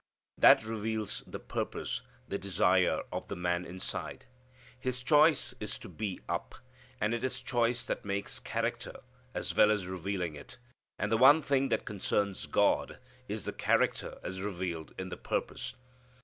That reveals the purpose, the desire of the man inside. His choice is to be up. And it is choice that makes character as well as revealing it. And the one thing that concerns God is the character as revealed in the purpose.